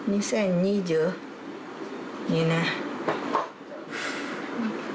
２０２２年フゥ。